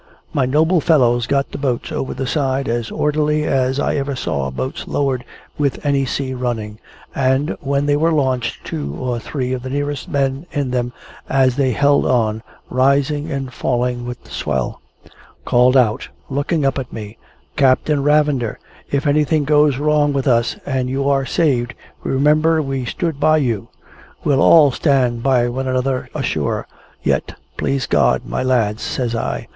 My noble fellows got the boats over the side as orderly as I ever saw boats lowered with any sea running, and, when they were launched, two or three of the nearest men in them as they held on, rising and falling with the swell, called out, looking up at me, "Captain Ravender, if anything goes wrong with us, and you are saved, remember we stood by you!" "We'll all stand by one another ashore, yet, please God, my lads!" says I.